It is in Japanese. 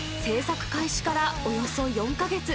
制作開始からおよそ４か月。